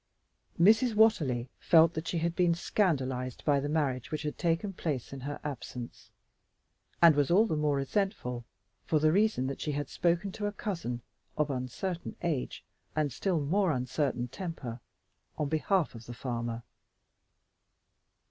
Mrs. Watterly felt that she had been scandalized by the marriage which had taken place in her absence, and was all the more resentful for the reason that she had spoken to a cousin of uncertain age and still more uncertain temper in behalf of the farmer.